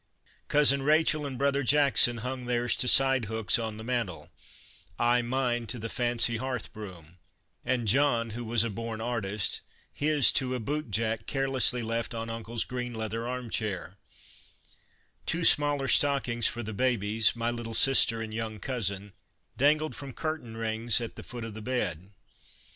Cousin Rachel and brother Jackson hung theirs to side hooks on the mantel, I mine to the fancy hearth broom, and John, who was a born artist, his to a boot jack carelessly left on Uncle's green leather arm chair ; two smaller stockings for the babies, my little sister and young cousin, dangled from curtain rings at the foot of the bed.